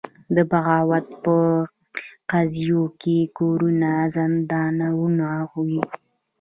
د بغاوت په قضیو کې کورونه زندانونه وو.